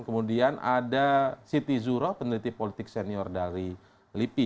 kemudian ada siti zuroh peneliti politik senior dari lipi